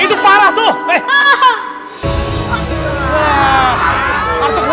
itu parah tuh